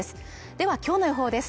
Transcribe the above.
では今日の予報です。